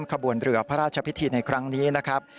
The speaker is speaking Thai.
ขบวนเรือพระราชพิธีในครั้งนี้นะครับ